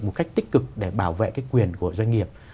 một cách tích cực để bảo vệ cái quyền của doanh nghiệp